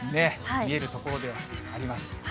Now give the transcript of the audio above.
見える所ではあります。